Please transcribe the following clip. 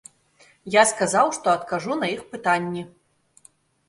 Я сказаў, што адкажу на іх пытанні.